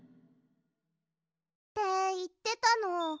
っていってたの。